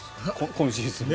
今シーズンの。